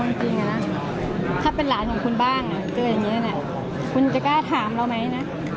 จริงนะถ้าเป็นหลานของคุณบ้างเจออย่างนี้นะคุณจะกล้าถามเราไหมนะ